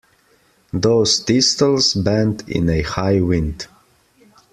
Those thistles bend in a high wind.